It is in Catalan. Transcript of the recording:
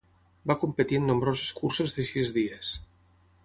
Va competir en nombroses curses de sis dies.